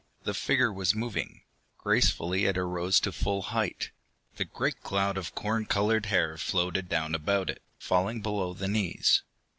The figure was moving. Gracefully it arose to its full height. The great cloud of corn colored hair floated down about it, falling below the knees.